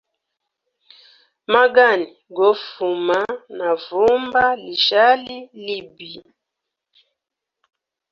Magani gofuma na vumba lishali libi.